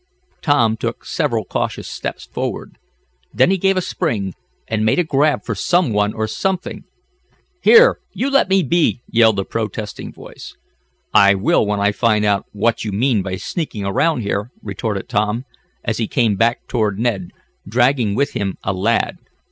Tom took several cautious steps forward. Then he gave a spring, and made a grab for some one or something. "Here! You let me be!" yelled a protesting voice. "I will when I find out what you mean by sneaking around here," retorted Tom, as he came back toward Ned, dragging with him a lad.